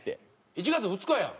１月２日やん。